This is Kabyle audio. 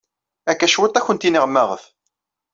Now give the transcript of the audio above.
Akka cwiṭ ad awent-iniɣ maɣef.